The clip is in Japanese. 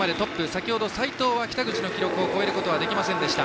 先程、斉藤は北口の記録を超えることはできませんでした。